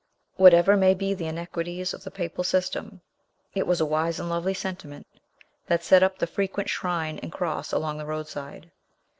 Whatever may be the iniquities of the papal system, it was a wise and lovely sentiment that set up the frequent shrine and cross along the roadside.